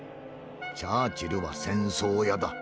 チャーチルは戦争屋だ。